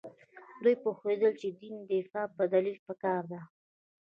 دوی پوهېدل چې د دین دفاع په دلیل پکار ده.